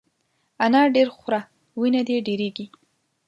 انار ډېر خوره ، وینه دي ډېرېږي !